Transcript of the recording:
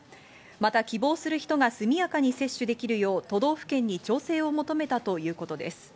また、希望する人が速やかに接種できるよう、都道府県に調整を求めたということです。